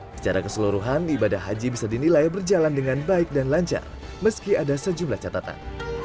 secara keseluruhan ibadah haji bisa dinilai berjalan dengan baik dan lancar meski ada sejumlah catatan